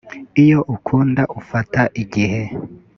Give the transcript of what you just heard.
iyo ukunda ufata igihe